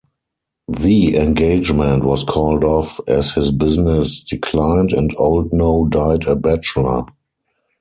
The engagement was called off as his business declined and Oldknow died a bachelor.